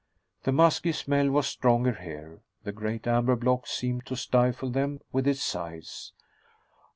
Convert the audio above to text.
The musky smell was stronger here. The great amber block seemed to stifle them with its size.